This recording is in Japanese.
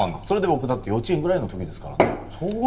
それで僕だって幼稚園ぐらいの時ですからね。